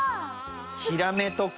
ヒラメとか。